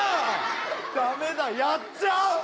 駄目だやっちゃう！